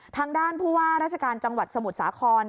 ทางด้านผู้ว่าราชการจังหวัดสมุทรสาคร